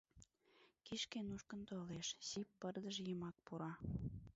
Кишке нушкын толеш, сип пырдыж йымак пура.